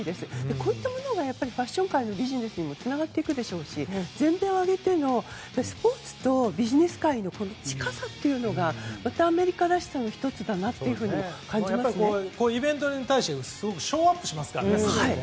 こういったものがファッション界のビジネスにもつながっていくでしょうし全米を挙げてのスポーツとビジネス界の近さというのがアメリカらしさの１つだなというふうにイベントに対してすごくショーアップしますからね。